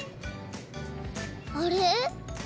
あれ？